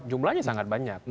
jumlahnya sangat banyak